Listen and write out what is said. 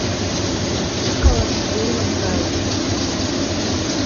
Иҟалаз сзеилымкааит.